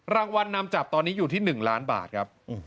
รางวัลนำจับตอนนี้อยู่ที่๑ล้านบาทครับ